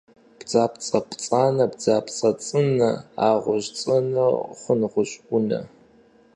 Бдзапцӏэ пцӏанэ бдзапцӏэ цӏынэ, а гъущӏ цӏынэр хъун гъущӏ ӏунэ?